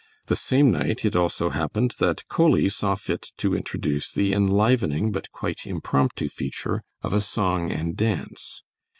The same night it also happened that Coley saw fit to introduce the enlivening but quite impromptu feature of a song and dance.